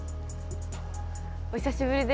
お久しぶりです。